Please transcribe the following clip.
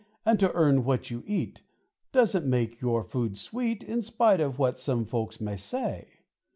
And to earn what you eat, Doesn't make your food sweet, In spite of what some folks may say.